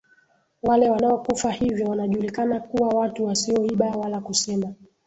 wale wanaokufa hivyo wanajulikana kuwa watu wasioiba wala kusema